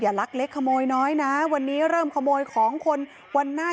ลักเล็กขโมยน้อยนะวันนี้เริ่มขโมยของคนวันหน้า